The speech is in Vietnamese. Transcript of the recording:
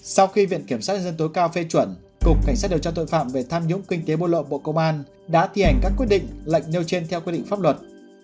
sau khi viện kiểm sát nhân dân tối cao phê chuẩn cục cảnh sát điều tra tội phạm về tham nhũng kinh tế buôn lộ bộ công an đã thi hành các quyết định lệnh nêu trên theo quy định pháp luật